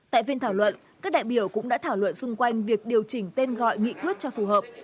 tại phiên thảo luận các đại biểu cũng đã thảo luận xung quanh việc điều chỉnh tên gọi nghị quyết cho phù hợp